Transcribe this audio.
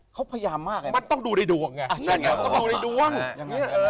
เขาพยายามมากมันต้องดูในดวงไง